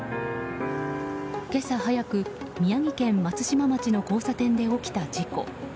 今朝早く、宮城県松島町の交差点で起きた事故。